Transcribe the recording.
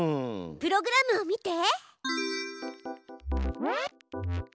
プログラムを見て！